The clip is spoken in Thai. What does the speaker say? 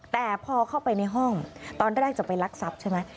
แต่พอเข้าไปในห้องตอนแรกจะไปรักทรัพย์ใช่ไหม